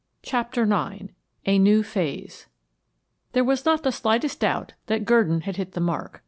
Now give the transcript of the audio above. CHAPTER IX A NEW PHASE There was not the slightest doubt that Gurdon had hit the mark.